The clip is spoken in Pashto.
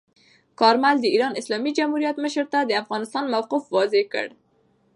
کارمل د ایران اسلامي جمهوریت مشر ته د افغانستان موقف واضح کړ.